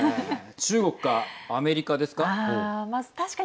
中国かアメリカですか。